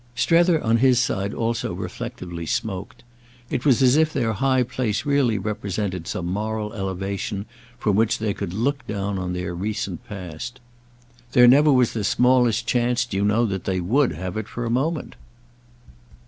Strether on his side also reflectively smoked. It was as if their high place really represented some moral elevation from which they could look down on their recent past. "There never was the smallest chance, do you know, that they would have it for a moment."